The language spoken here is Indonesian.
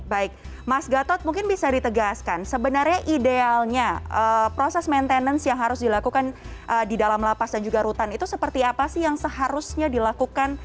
baik mas gatot mungkin bisa ditegaskan sebenarnya idealnya proses maintenance yang harus dilakukan di dalam lapas dan juga rutan itu seperti apa sih yang seharusnya dilakukan